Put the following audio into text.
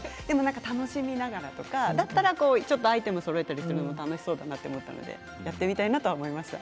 楽しみながらだったらアイテムをそろえるのも楽しそうだなと思ったのでやってみたいなと思いました。